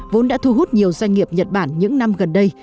vốn đã thu hút nhiều doanh nghiệp nhật bản những năm gần đây